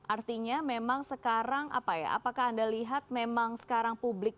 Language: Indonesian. artinya memang sekarang apakah anda lihat memang sekarang publik